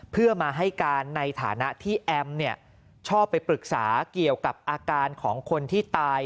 เพื่อมาให้การในฐานะที่แอมชอบไปปรึกษาเกี่ยวกับอาการของคนที่ตาย